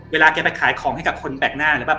เวลาแกไปขายของให้กับคนแบ่งหน้า